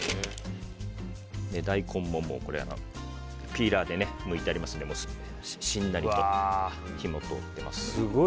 大根もピーラーでむいてありますのでしんなりと火も通ってます。